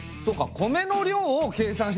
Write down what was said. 米の量を計算してたんだ。